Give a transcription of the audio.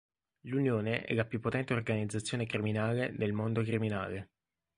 L'Unione è la più potente organizzazione criminale del mondo criminale.